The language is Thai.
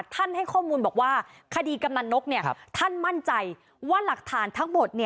ให้ข้อมูลบอกว่าคดีกำนันนกท่านมั่นใจว่าหลักฐานทั้งหมด